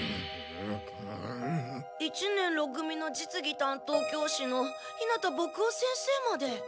一年ろ組の実技担当教師の日向墨男先生まで。